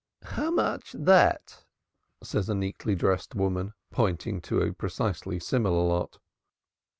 "How much that?" says a neatly dressed woman, pointing to a precisely similar lot.